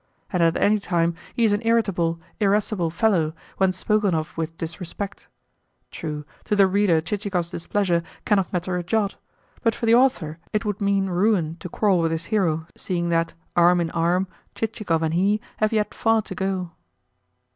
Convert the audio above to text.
And at any time he is an irritable, irascible fellow when spoken of with disrespect. True, to the reader Chichikov's displeasure cannot matter a jot; but for the author it would mean ruin to quarrel with his hero, seeing that, arm in arm, Chichikov and he have yet far to go.